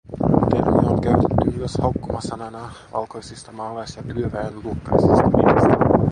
Termiä on käytetty myös haukkumasanana valkoisista maalais- ja työväenluokkaisista miehistä